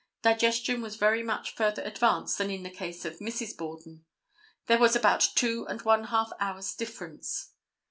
Digestion was very much further advanced than in the case of Mrs. Borden. There was about two and one half hours difference.